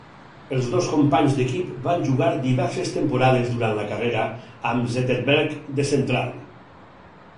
Els dos companys d'equip van jugar diverses temporades durant la carrera amb Zetterberg de central.